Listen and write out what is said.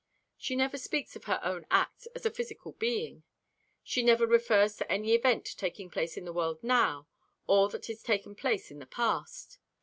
She never speaks of her own acts as a physical being; she never refers to any event taking place in the world now or that has taken place in the past.